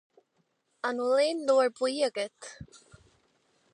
An bhfuil aon leabhar buí agat